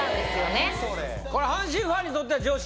これ阪神ファンにとっては常識？